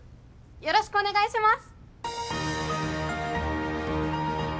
よろしくお願いします！